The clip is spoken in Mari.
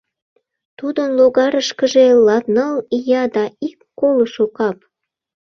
Тудын логарышкыже латныл ия да ик колышо кап!..